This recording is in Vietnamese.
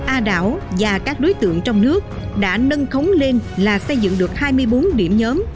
a đảo và các đối tượng trong nước đã nâng khống lên là xây dựng được hai mươi bốn điểm nhóm